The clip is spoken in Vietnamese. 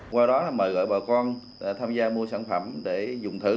qua đó là mời gọi bà con tham gia mua sản phẩm để dùng thử